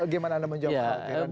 bagaimana anda menjawab kekhawatiran